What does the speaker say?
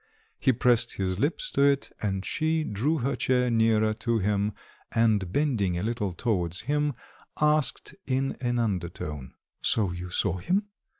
He pressed his lips to it, and she drew her chair nearer to him, and bending a little towards him, asked in an undertone "So you saw him?